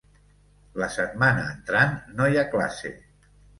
La setmana entrant no hi ha classe.